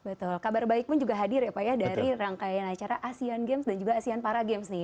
betul kabar baik pun juga hadir ya pak ya dari rangkaian acara asean games dan juga asean para games nih